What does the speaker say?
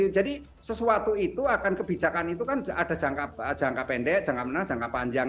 jadi sesuatu itu akan kebijakan itu kan ada jangka pendek jangka menengah jangka panjang